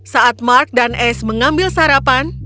saat mark dan ace mengambil sarapan